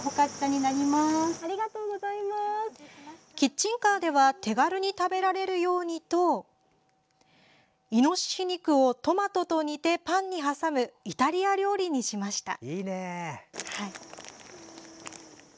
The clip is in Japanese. キッチンカーでは手軽に食べられるようにといのしし肉をトマトと煮てパンに挟むイタリア料理にしました。